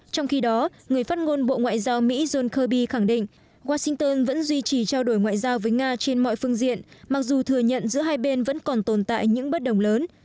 trong khi đó người phát ngôn bộ ngoại giao mỹ john kirby khẳng định washington vẫn duy trì trao đổi ngoại giao với nga trên mọi phương diện mặc dù thừa nhận giữa hai bên vẫn còn tồn tại những bất đồng lớn